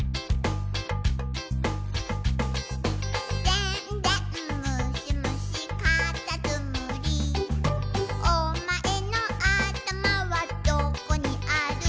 「でんでんむしむしかたつむり」「おまえのあたまはどこにある」